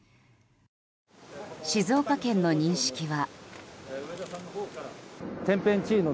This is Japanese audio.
静岡県の認識は。